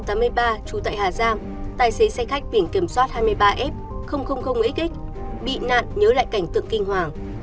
năm một nghìn chín trăm tám mươi ba trú tại hà giang tài xế xe khách biển kiểm soát hai mươi ba f xx bị nạn nhớ lại cảnh tượng kinh hoàng